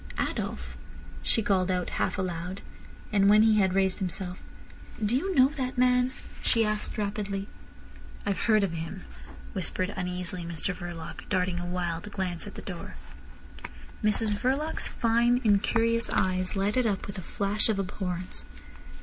"Adolf," she called out half aloud; and when he had raised himself: "Do you know that man?" she asked rapidly. "I've heard of him," whispered uneasily Mr Verloc, darting a wild glance at the door. Mrs Verloc's fine, incurious eyes lighted up with a flash of abhorrence.